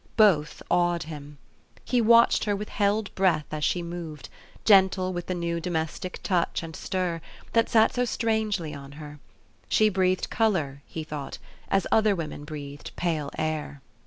Both awed him. He watched her with held breath as she moved, gentle with the new domestic touch and stir, that sat so strangely on her. She breathed color, he thought, as other women breathed pale air.